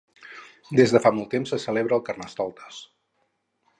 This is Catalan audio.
Des de fa molt temps se celebra el Carnestoltes.